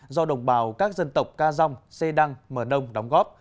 do đồng bào các dân tộc ca dòng xê đăng mờ nông đóng góp